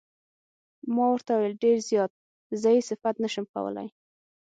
ما ورته وویل: ډېر زیات، زه یې صفت نه شم کولای.